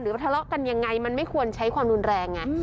ทะเลาะกันยังไงมันไม่ควรใช้ความรุนแรงไง